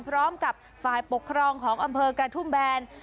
พร้อมกับฝ่ายปกครองของอำเภอกระทุ่มแบน